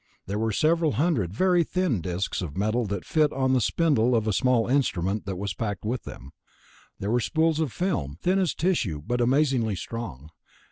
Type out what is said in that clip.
There were several hundred very tiny thin discs of metal that fit on the spindle of a small instrument that was packed with them. There were spools of film, thin as tissue but amazingly strong.